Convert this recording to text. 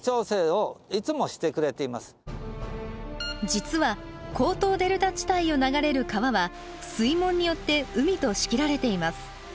実は江東デルタ地帯を流れる川は水門によって海と仕切られています。